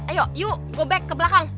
ayo yuk go back ke belakang